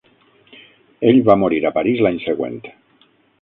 Ell va morir a Paris l'any següent.